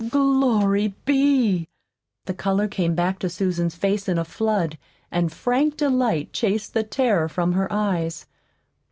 "Glory be!" The color came back to Susan's face in a flood, and frank delight chased the terror from her eyes.